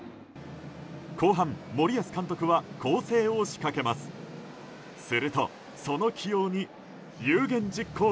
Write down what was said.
後半、森保監督は攻勢を仕掛けます。